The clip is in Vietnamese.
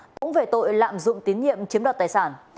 cũng về tội lạm dụng tín nhiệm chiếm đoạt tài sản